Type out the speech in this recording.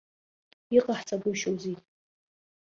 Иҟаҳҵагәышьозеи?!